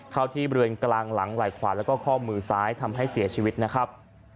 เข้าที่บริเวณกลางหลังไหล่ขวาแล้วก็ข้อมือซ้ายทำให้เสียชีวิตนะครับ